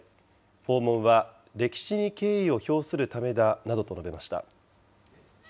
訪問は歴史に敬意を表するためだなどと述べました。